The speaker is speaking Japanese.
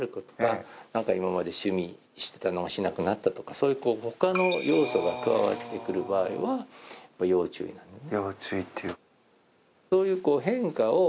そういうほかの要素が加わってくる場合は要注意なんですね。